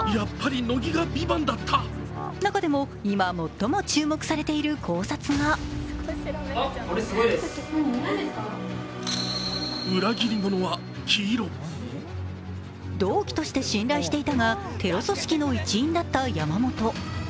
中でも今最も注目されている考察が同期として信頼していたが、テロ組織の一員だった山本。